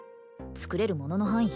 作れるものの範囲